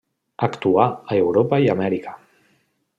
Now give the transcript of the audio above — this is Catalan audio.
Actuà a Europa i a Amèrica.